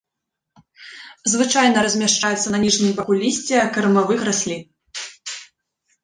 Звычайна размяшчаецца на ніжнім баку лісця кармавых раслін.